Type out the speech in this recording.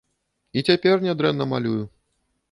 І цяпер нядрэнна малюю.